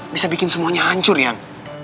bisa bikin semuanya hancur yan